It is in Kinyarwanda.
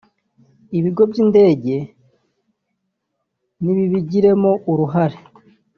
Ibigo by’indege ni bibigiremo uruhare